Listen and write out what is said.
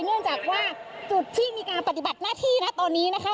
เนื่องจากว่าจุดที่มีการปฏิบัติหน้าที่นะตอนนี้นะคะ